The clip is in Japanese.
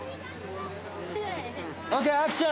ＯＫアクション！